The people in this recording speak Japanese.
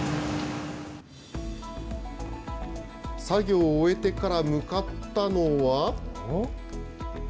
作業を終えてから向かったのは。